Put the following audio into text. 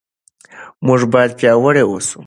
موږ باید پیاوړي اوسو.